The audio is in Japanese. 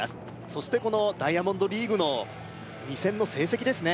そしてこのダイヤモンドリーグの２戦の成績ですね